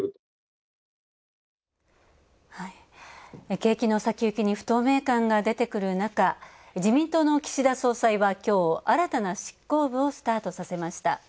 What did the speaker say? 景気の先行きに不透明感が出てくる中、自民党の岸田総裁はきょう、新たな執行部をスタートさせました。